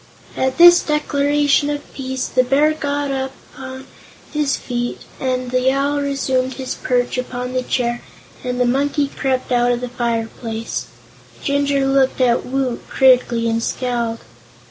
At this declaration of peace, the Bear got upon his feet and the Owl resumed his perch upon the chair and the Monkey crept out of the fireplace. Jinjur looked at Woot critically, and scowled.